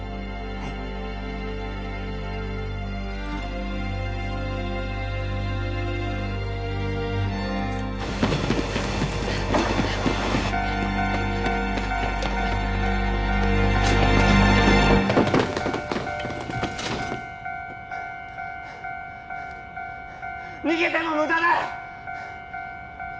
はい逃げても無駄だ！